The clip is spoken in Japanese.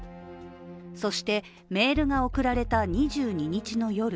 そしてメールが送られた２２日の夜